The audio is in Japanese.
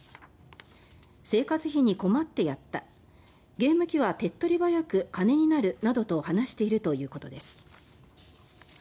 生活費に困ってやったゲーム機は手っ取り早く金になるなどと話しているということです。